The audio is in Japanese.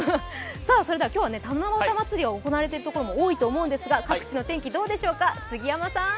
それでは今日は七夕まつりが行われているところも多いと思いますが各地の天気、どうでしょうか。